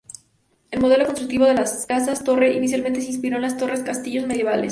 El modelo constructivo de las casas torre, inicialmente, se inspiró en las torres-castillos medievales.